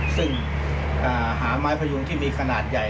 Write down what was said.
ซึ่งหาไม้พยุงที่มีขนาดใหญ่